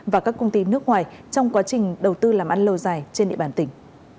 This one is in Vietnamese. và các công ty nước ngoài trong quá trình đầu tư làm ăn lâu dài trên địa bàn tỉnh